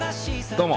どうも。